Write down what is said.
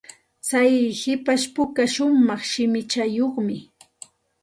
Tsay hipashpuka shumaq shimichayuqmi.